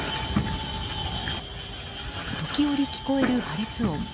時折聞こえる破裂音。